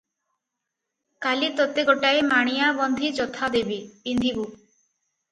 କାଲି ତୋତେ ଗୋଟାଏ ମାଣିଆବନ୍ଧି ଜଥା ଦେବି, ପିନ୍ଧିବୁ।